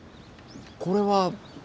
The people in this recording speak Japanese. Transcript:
これは？